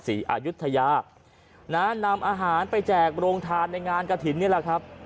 อายุทยานะนำอาหารไปแจกโรงทานในงานกระถิ่นนี่แหละครับ